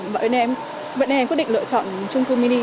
vậy nên em quyết định lựa chọn trung cư mini